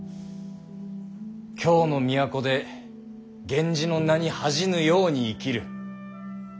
京の都で源氏の名に恥じぬように生きる。